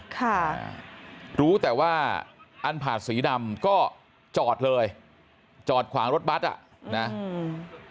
ค่ะรู้แต่ว่าอันผาดสีดำก็จอดเลยจอดขวางรถบัตรอ่ะนะอืม